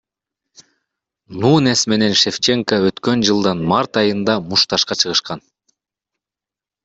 Нунес менен Шевченко өткөн жылдын март айында мушташка чыгышкан.